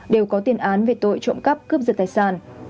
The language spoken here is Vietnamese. đều có tiền án về tội trộm cắp cướp giật tài sản